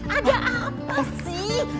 ada apa sih